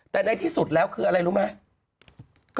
แต่ในที่สุดแล้วคืออะไรรู้ไหม